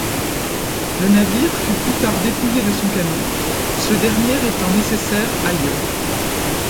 Le navire fut plus tard dépouillé de son canon, ce dernier étant nécessaire ailleurs.